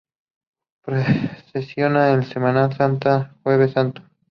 Procesiona en Semana Santa el Jueves Santo.